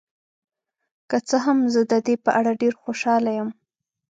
که څه هم، زه د دې په اړه ډیر خوشحاله یم.